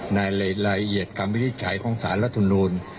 ในละเอียดกรรมวิจัยของสารรัฐทุนโนน